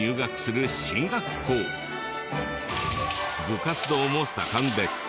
部活動も盛んで。